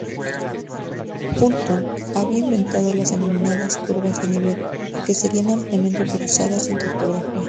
Hutton había inventado las denominadas curvas de nivel, que serían ampliamente utilizadas en cartografía.